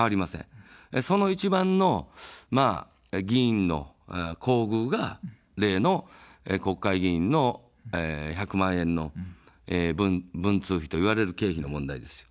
その一番の議員の厚遇が、例の国会議員の１００万円の文通費といわれる経費の問題です。